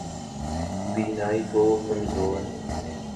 بینائی کو کمزور